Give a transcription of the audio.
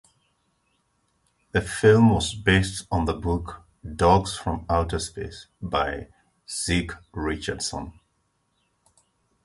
The film was based on the book "Dogs from Outer Space" by Zeke Richardson.